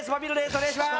お願いします